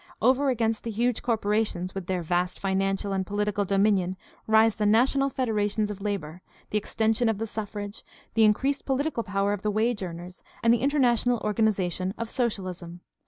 Over against the huge corporations with their vast financial and political dominion rise the national federations of labor, the extension of the suffrage, the increased politicalpower of the wage earners, and the international organization of socialism.